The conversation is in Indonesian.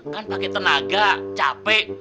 kan pake tenaga capek